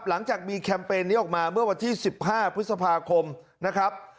หลังจากมีแคมเปญนี้ออกมาเมื่อวันที่๑๕พฤษภาคมนะครับ